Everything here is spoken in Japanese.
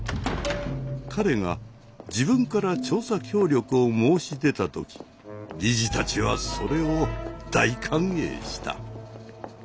彼が自分から調査協力を申し出た時理事たちはそれを大歓迎した。